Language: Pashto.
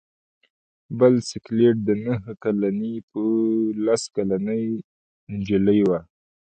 بل سکلیټ د نهه کلنې یا لس کلنې نجلۍ و.